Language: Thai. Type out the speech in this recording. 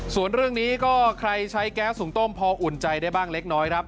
ส่วนเรื่องนี้ก็ใครใช้แก๊สหุงต้มพออุ่นใจได้บ้างเล็กน้อยครับ